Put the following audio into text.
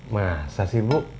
masa sih bu